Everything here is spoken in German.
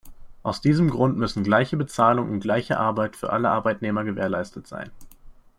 Aus diesem Grund müssen gleiche Bezahlung und gleiche Arbeit für alle Arbeitnehmer gewährleistet sein.